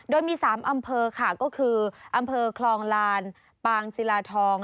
โดยมี๓อำเภอค่ะก็คืออำเภอคลองลานปางศิลาทอง